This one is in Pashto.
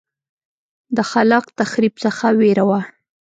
د خلاق تخریب څخه وېره وه.